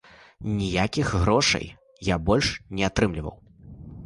Ніякіх грошай я больш не атрымліваў.